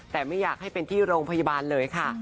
แต่ไม่อยากให้เป็นที่โรงพยาบาลเลยค่ะ